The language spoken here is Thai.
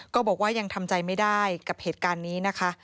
ก็บอกว่ายังทำใจไม่ได้กับเหตุการณ์นี้นะคะ